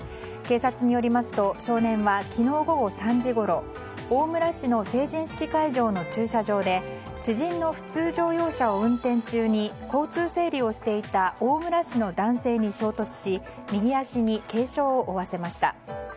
警察によりますと少年は昨日午後３時ごろ大村市の成人式会場の駐車場で知人の普通乗用車を運転中に交通整理をしていた大村市の男性に衝突し右足に軽傷を負わせました。